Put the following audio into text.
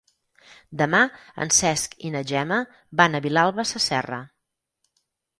Demà en Cesc i na Gemma van a Vilalba Sasserra.